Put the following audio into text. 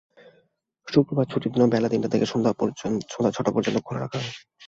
শুক্রবার ছুটির দিনেও বেলা তিনটা থেকে সন্ধ্যা ছয়টা পর্যন্ত খোলা রাখা হয়।